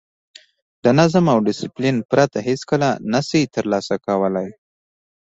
د نظم او ډیسپلین پرته هېڅکله نه شئ ترلاسه کولای.